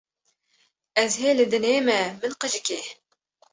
Ez hê li dinê me min qijikê